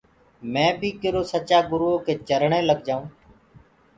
مي بي ڪِرو سچآ گُروٚئو ڪي چرني لگ جآئوٚنٚ۔